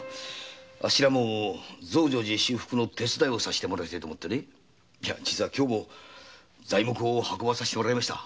あっしたちも増上寺修復の手伝いをさせてもらいてえと今日も材木を運ばさせてもらいました。